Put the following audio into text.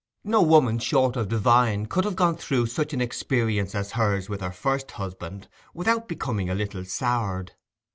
No woman short of divine could have gone through such an experience as hers with her first husband without becoming a little soured.